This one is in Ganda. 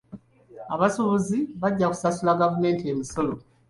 Abasuubuzi bajja kusasula gavumenti emisolo.